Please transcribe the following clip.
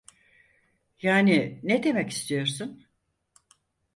Yani ne demek istiyorsun?